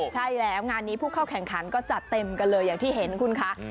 ใช่แล้วงานนี้ผู้เข้าแข่งขันก็จัดเต็มกันเลยอย่างที่เห็นคุณคะ